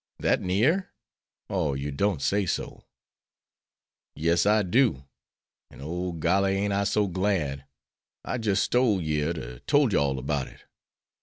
"That near? Oh, you don't say so!" "Yes, I do. An', oh, golly, ain't I so glad! I jis' stole yere to told you all 'bout it.